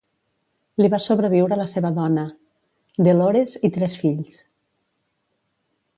Li va sobreviure la seva dona, DeLores, i tres fills.